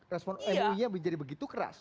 respon emonya menjadi begitu keras